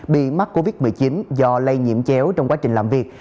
bị mắc covid một mươi chín do lây nhiễm chéo trong quá trình làm việc